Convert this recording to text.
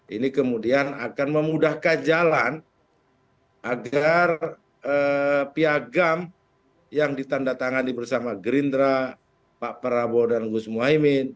ini kemudian akan memudahkan jalan agar piagam yang ditanda tangani bersama gerindra pak prabowo dan gus muhaymin